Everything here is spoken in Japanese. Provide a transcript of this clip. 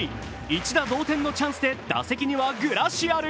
一打同点のチャンスで打席にはグラシアル。